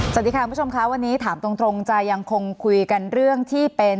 สวัสดีค่ะคุณผู้ชมค่ะวันนี้ถามตรงจะยังคงคุยกันเรื่องที่เป็น